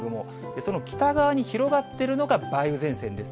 その北側に広がってるのが梅雨前線です。